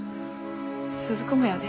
鈴子もやで。